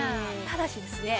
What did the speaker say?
ただしですね